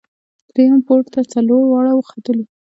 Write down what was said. درییم پوړ ته څلور واړه ختلو.